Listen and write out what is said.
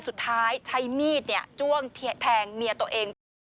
สุดท้ายใช้มีดจ้วงแทงเมียตัวเองไป